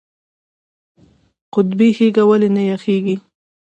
قطبي هیږه ولې نه یخیږي؟